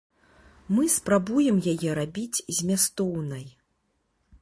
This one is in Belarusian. Мы спрабуем яе рабіць змястоўнай.